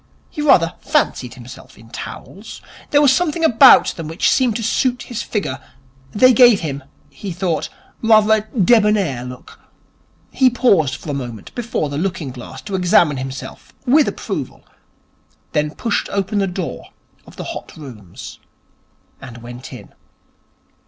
He rather fancied himself in towels. There was something about them which seemed to suit his figure. They gave him, he though, rather a debonnaire look. He paused for a moment before the looking glass to examine himself, with approval, then pushed open the door of the Hot Rooms and went in.